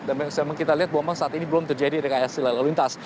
dan memang kita lihat bahwa memang saat ini belum terjadi rekayasa lalu lintas